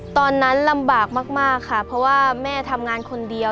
ตอนนั้นลำบากมากค่ะเพราะว่าแม่ทำงานคนเดียว